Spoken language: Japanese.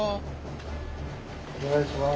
お願いします。